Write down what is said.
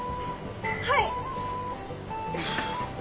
はい！